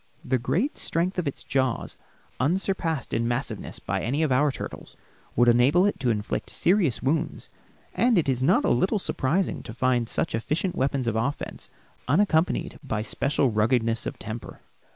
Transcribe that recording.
The great strength of its jaws, unsurpassed in massiveness by any of our turtles, would enable it to inflict serious wounds, and it is not a little surprising to find such efficient weapons of offense unaccompanied by special ruggedness of temper.